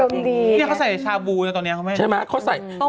เนี้ยเขาใส่ชาบูนะตอนเนี้ยเขาไม่ไหว